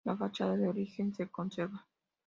La fachada de origen se conserva.